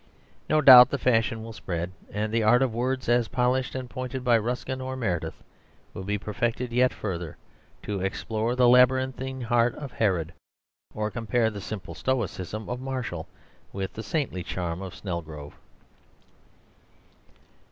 No doubt the fashion will spread, and the art of words, as polished and pointed by Ruskin or Meredith, will be perfected yet further to explore the labyrinthine heart of Harrod; or compare the simple stoicism of Marshall with the saintly charm of Snelgrove.